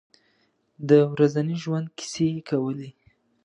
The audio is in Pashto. د ورځني ژوند کیسې یې کولې.